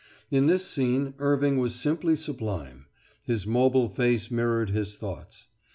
In this scene Irving was simply sublime. His mobile face mirrored his thoughts.